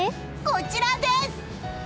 こちらです！